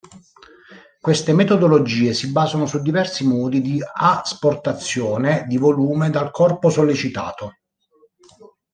Queste metodologie si basano su diversi modi di asportazione di volume dal corpo sollecitato.